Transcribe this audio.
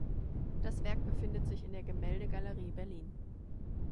Das Werk befindet sich in der Gemäldegalerie Berlin.